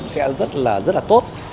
sẽ rất là tốt